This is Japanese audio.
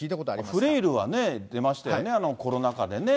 フレイルは出ましたよね、コロナ禍でね。